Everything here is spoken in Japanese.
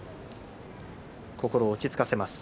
心を落ち着かせます。